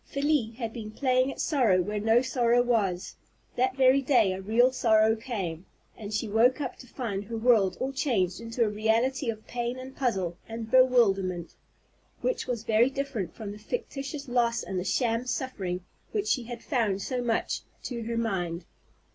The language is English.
Felie had been playing at sorrow where no sorrow was. That very day a real sorrow came, and she woke up to find her world all changed into a reality of pain and puzzle and bewilderment, which was very different from the fictitious loss and the sham suffering which she had found so much to her mind.